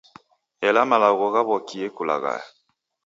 Ela malagho ghaw'okie kughaluka.